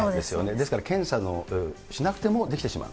ですから検査しなくてもできてしまう。